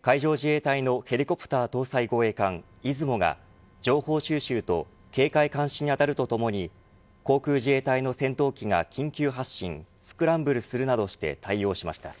海上自衛隊のヘリコプター搭載護衛艦いずもが情報収集と警戒監視に当たるとともに航空自衛隊の戦闘機が緊急発進スクランブルするなどして対応しました。